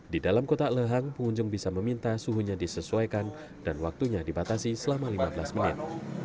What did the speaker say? di dalam kotak lehang pengunjung bisa meminta suhunya disesuaikan dan waktunya dibatasi selama lima belas menit